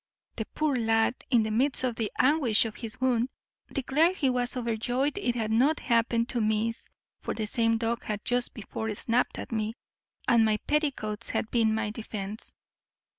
The poor lad, in the midst of the anguish of his wound, declared he was overjoyed it had not happened to miss (for the same dog had just before snapt at me, and my petticoats had been my defence).